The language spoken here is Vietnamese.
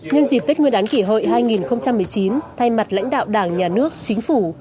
nhân dịp tết nguyên đán kỷ hợi hai nghìn một mươi chín thay mặt lãnh đạo đảng nhà nước chính phủ